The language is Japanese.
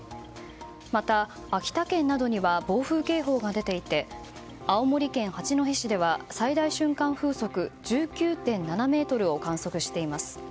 また、秋田県などには暴風警報が出ていて青森県八戸市では最大瞬間風速１９．７メートルを観測しています。